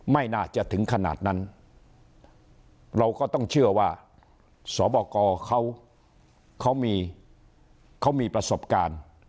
ไม่น่าจะถึงขนาดนั้นเราก็ต้องเชื่อว่าสวบกเขามีประสบการณ์